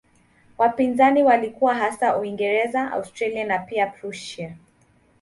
Wapinzani walikuwa hasa Uingereza, Austria na pia Prussia.